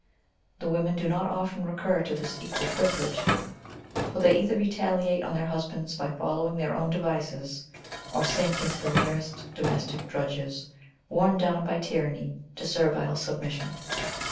The women do not often recur to this equal privilege, for they either retaliate on their husbands by following their own devices or sink into the merest domestic drudges, worn down by tyranny to servile submission.